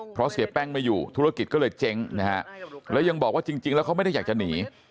เพราะเสียแป้งไม่อยู่ธุรกิจก็เลยเจ๊งนะฮะแล้วยังบอกว่าจริงแล้วเขาไม่ได้อยากจะหนี